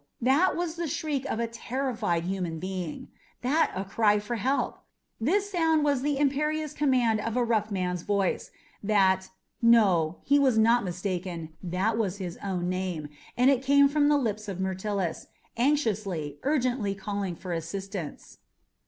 That was the shriek of a terrified human being that a cry for help! This sound was the imperious command of a rough man's voice, that no, he was not mistaken that was his own name, and it came from the lips of his Myrtilus, anxiously, urgently calling for assistance.